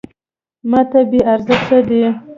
.ماته بې ارزښته دی .